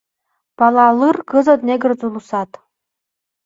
Пала лыр кызыт негр-зулусат.